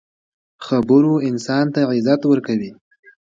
خبرو انسان ته عزت ورکوي.